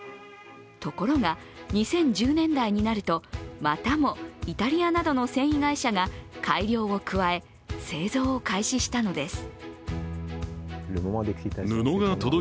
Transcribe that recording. ところが２０１０年代になるとまたもイタリアなどの繊維会社が改良を加え製造を開始したのです。